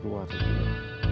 wah tuh gila